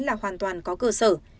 là hoàn toàn có cơ sở